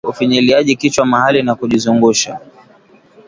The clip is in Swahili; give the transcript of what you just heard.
ufinyiliaji kichwa mahali na kujizungusha